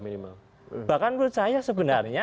minimal bahkan menurut saya sebenarnya